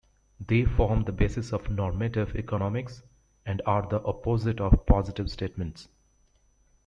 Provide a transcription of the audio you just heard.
They form the basis of normative economics, and are the opposite of positive statements.